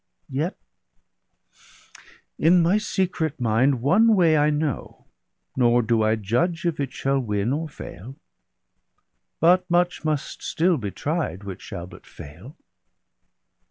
Yet in my secret mind one way I know, Nor do I judge if it shall win or fail; But much must still be tried, which shall but fail.'